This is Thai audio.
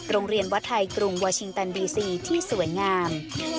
โรงเรียนวัดไทยกรุงวาชิงตันบีซีที่สวยงาม